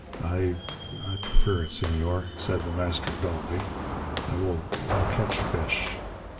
"I prefer it, Senor," said The Master dully. "I I will catch fish...."